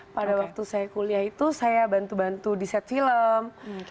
pada waktu saya kuliah itu saya bantu bantu di set film